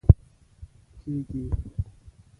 کیږي